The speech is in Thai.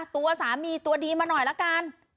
ตัวสามีตัวดีมาหน่อยละกัน